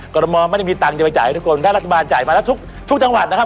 กรมอลไม่ได้มีตังค์จะไปจ่ายให้ทุกคนถ้ารัฐบาลจ่ายมาแล้วทุกจังหวัดนะครับ